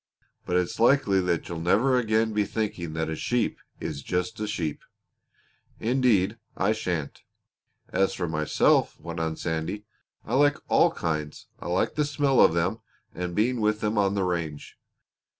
But it's likely that you'll never again be thinking that a sheep is just a sheep!" "Indeed I shan't!" "As for myself," went on Sandy, "I like all kinds; I like the smell of them, and being with them on the range.